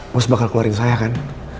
bos bakal keluarin saya kan